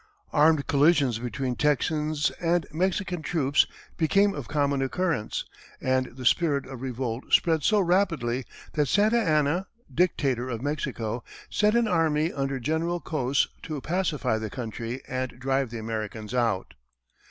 Armed collisions between Texans and Mexican troops became of common occurrence, and the spirit of revolt spread so rapidly that Santa Anna, dictator of Mexico, sent an army under General Cos to pacify the country and drive the Americans out.